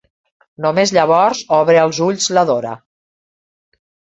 Només llavors obre els ulls la Dora.